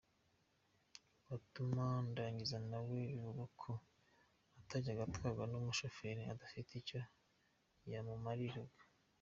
– Fatuma Ndangiza nawe bivugwa ko atajyaga atwarwa n’umushoferi udafite icyo yamumariraga.